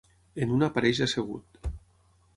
En una apareix assegut.